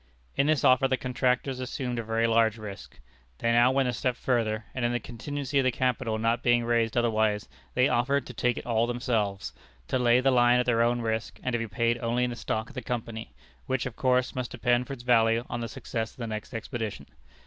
In this offer the contractors assumed a very large risk. They now went a step further, and in the contingency of the capital not being raised otherwise, they offered to take it all themselves to lay the line at their own risk, and to be paid only in the stock of the Company, which, of course, must depend for its value on the success of the next expedition.